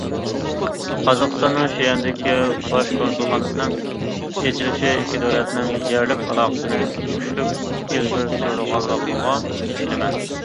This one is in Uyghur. قازاقىستاننىڭ شىئەندىكى باش كونسۇلخانىسىنىڭ ئېچىلىشى ئىككى دۆلەتنىڭ يەرلىك ئالاقىسىنى كۈچلۈك ئىلگىرى سۈرىدىغانلىقىغا ئىشىنىمەن.